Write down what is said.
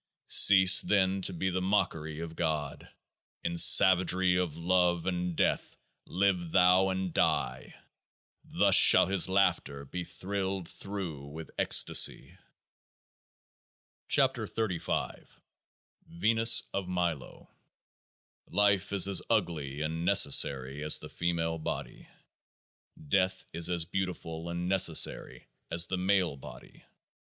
Cease then to be the mockery of God ; in savagery of love and death live thou and die ! Thus shall His laughter be thrilled through with Ecstasy. 44 KEOAAH AE VENUS OF MILO Life is as ugly and necessary as the female body. Death is as beautiful and necessary as the male body.